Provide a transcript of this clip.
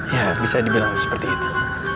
ya bisa dibilang seperti itu